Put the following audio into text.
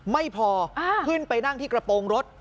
ไม่พอขึ้นไปนั่งที่กระโปรงรถ